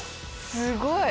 すごい！